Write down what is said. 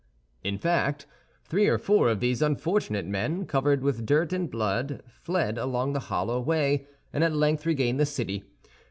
In fact, three or four of these unfortunate men, covered with dirt and blood, fled along the hollow way, and at length regained the city.